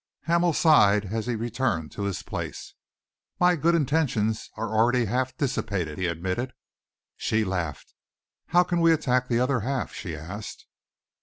Hamel sighed as he returned to his place. "My good intentions are already half dissipated," he admitted. She laughed. "How can we attack the other half?" she asked.